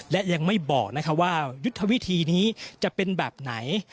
และยังไม่บอกว่ายุทธวิธีนี้จะเป็นแบบไหน